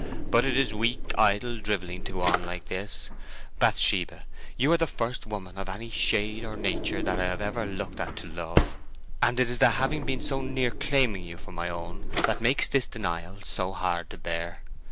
But it is weak, idle drivelling to go on like this.... Bathsheba, you are the first woman of any shade or nature that I have ever looked at to love, and it is the having been so near claiming you for my own that makes this denial so hard to bear.